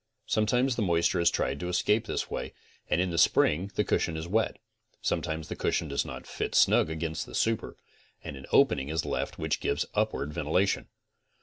Sometimes the moisture has tried to escape this way and in the spring the cushion is wet. Sometimes the cushion does not fit snug against the super and an opening is left which gives upward ventilation.